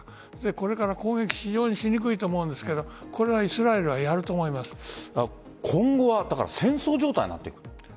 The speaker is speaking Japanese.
これから攻撃非常にしにくいと思うんですが今後は戦争状態になっていく？